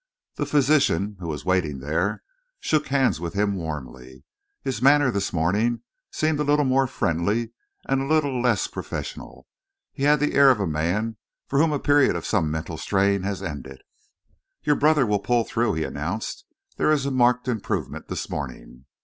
The physician, who was waiting there, shook hands with him warmly. His manner this morning seemed a little more friendly and a little less professional. He had the air of a man for whom a period of some mental strain has ended. "Your brother will pull through, sir," he announced. "There is a marked improvement this morning."